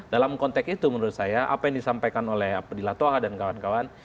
dalam konteks itu menurut saya apa yang disampaikan oleh abdillah toha dan kawan kawan